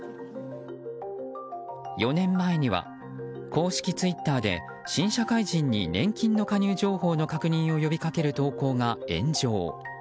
４年前には公式ツイッターで新社会人に年金の加入情報の確認を呼びかける投稿が炎上。